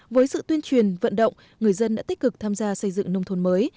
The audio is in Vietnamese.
với sự tuyên truyền vận động người dân đã tích cực tham gia xây dựng nông thôn mới